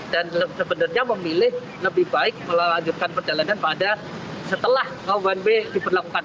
dan sebenarnya memilih lebih baik melanjutkan perjalanan pada setelah banwe diberlakukan